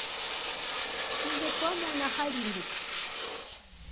Chize thwamona halimbuka.